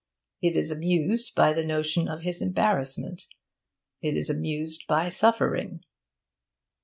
It is amused by the notion of his embarrassment. It is amused by suffering.